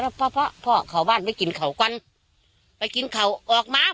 เห็นขึ้นโป้กไปกินเข่าส้ออค